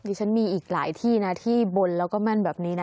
ฉันมีอีกหลายที่นะที่บนแล้วก็แม่นแบบนี้นะ